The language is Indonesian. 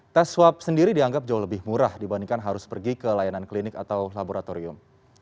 tes swab sendiri dianggap jauh lebih murah dibandingkan harus pergi ke layanan klinik atau laboratorium